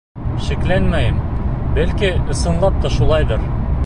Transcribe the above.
Шикләнмәйем, бәлки, ысынлап та шулайҙыр.